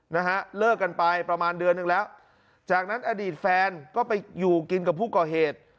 นะฮะเลิกกันไปประมาณเดือนหนึ่งแล้วจากนั้นอดีตแฟนก็ไปอยู่กินกับผู้ก่อเหตุ